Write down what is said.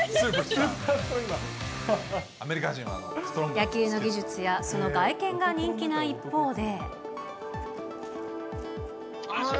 野球の技術や、その外見が人気な一方で。